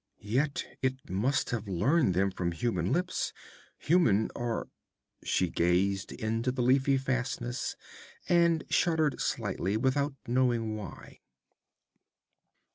'Yet it must have learned them from human lips. Human, or ' she gazed into the leafy fastness and shuddered slightly, without knowing why.